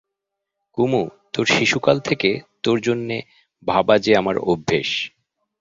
কুমু, তোর শিশুকাল থেকে তোর জন্যে ভাবা যে আমার অভ্যেস।